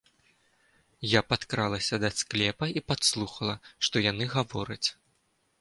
Я падкралася да склепа і падслухала, што яны гавораць.